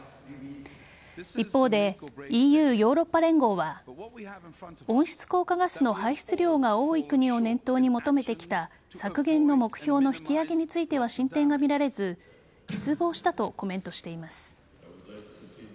一方でＥＵ＝ヨーロッパ連合は温室効果ガスの排出量が多い国を念頭に求めてきた削減の目標の引き上げについては進展が見られず失望したとコメントしています。